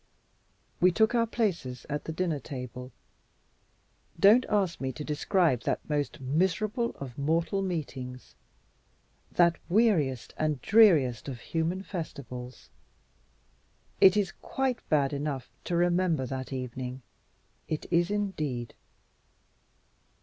We took our places at the dinner table. Don't ask me to describe that most miserable of mortal meetings, that weariest and dreariest of human festivals! It is quite bad enough to remember that evening it is indeed.